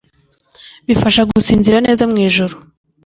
Bifasha gusinzira neza mw'iijoro